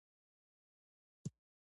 هغه وایي چې زموږ کلی ډېر ښایسته ده